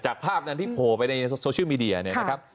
ภาพนั้นที่โผล่ไปในโซเชียลมีเดียเนี่ยนะครับ